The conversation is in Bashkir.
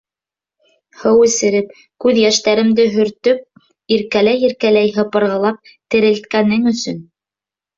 Һыу эсереп, күҙ йәштәремде һөртөп, иркәләй-иркәләй һыпырғылап терелткәнең өсөн...